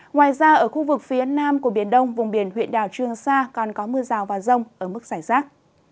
ngoài ra ở khu vực phía nam của biển đông vùng biển huyện đảo trương sa còn có mưa rào và rông ở mức giải rác